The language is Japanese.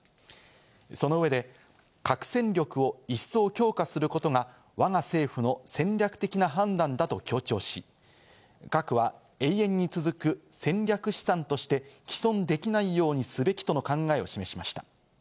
その上で核戦力を一層、強化することがわが政府の戦略的な判断だと強調し、核は永遠に続く戦略資産として毀損できないようにすべきとの考えを示しました。